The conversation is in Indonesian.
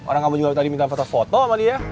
orang kamu tadi juga minta foto foto sama dia